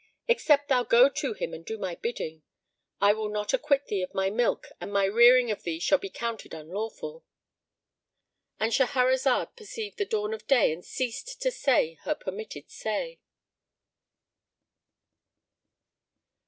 Except thou go to him and do my bidding, I will not acquit thee of my milk and my rearing of thee shall be counted unlawful."—And Shahrazad perceived the dawn of day and ceased to say her permitted say.